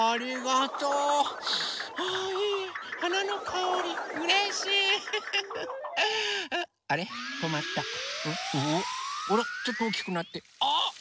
おおあらちょっとおおきくなってああ